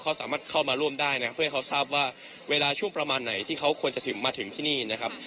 เขาสามารถเข้ามาร่วมได้นะเพื่อให้เขาทราบว่าเวลาช่วงประมาณไหนที่เขาควรจะถึงมาถึงที่นี่นะครับ